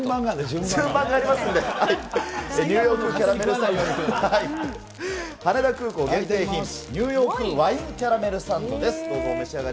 順番がありますので、ニューヨークワインキャラメルサンド、羽田空港限定品、ニューヨークワインキャラメルサンドです。